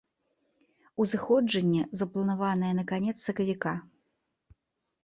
Узыходжанне запланаванае на канец сакавіка.